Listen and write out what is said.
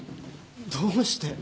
どうして？